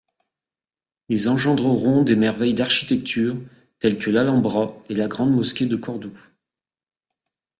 Ils engendreront des merveilles d'architecture telles que l'Alhambra et la grande mosquée de Cordoue.